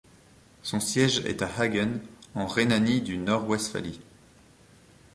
Son siège est à Hagen en Rhénanie-du-Nord-Westphalie.